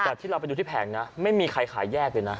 แต่ที่เราไปดูที่แผงนะไม่มีใครขายแยกเลยนะ